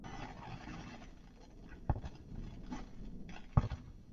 他是我的好朋友，我们已经认识十多年了。